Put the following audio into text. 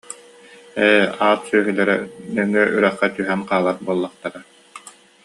Ээ, аат сүөһүлэрэ нөҥүө үрэххэ түһэн хаалар буоллахтара